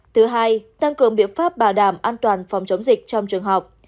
thứ hai tăng cường biện pháp bảo đảm an toàn phòng chống dịch trong trường học